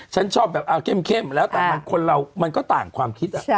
ฉันชอบแบบเข้มแล้วแต่มันคนเรามันก็ต่างความคิด